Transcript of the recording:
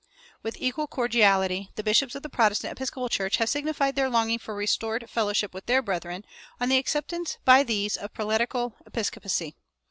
With equal cordiality the bishops of the Protestant Episcopal Church have signified their longing for restored fellowship with their brethren on the acceptance by these of prelatical episcopacy.